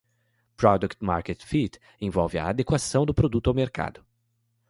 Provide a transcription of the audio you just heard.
Product-Market Fit envolve a adequação do produto ao mercado.